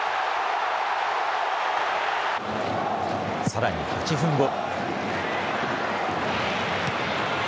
さらに８分後。